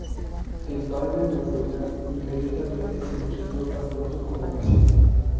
El padre de Duela inmediatamente se inquietó tan pronto como nació.